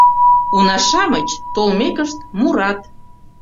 Уна-шамыч, толмекышт, мурат.